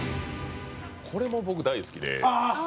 これも僕大好きで。